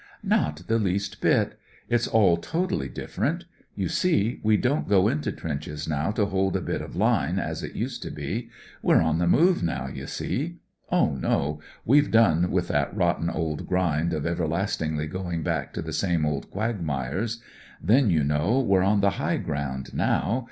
"Not the least bit. It's all totally 104 THE DIFFERENCE different. You see, we don't go into trenches now to hold a bit of line, as it used to be. We're on the move now, you see. Oh, no, we've done with that rotten old grind of everlastingly going back to the same old quagmires. Then, you know, we're on the high ground now.